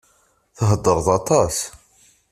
Theddṛeḍ aṭas.